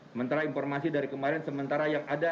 sementara informasi dari kemarin sementara yang ada